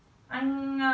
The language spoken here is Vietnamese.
thật đấy chị anh em dạy em